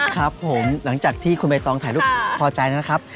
ครับผมหลังจากที่คุณใบตองถ่ายรูปพอใจแล้วนะครับ